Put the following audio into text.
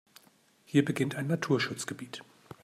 Hier beginnt ein Naturschutzgebiet.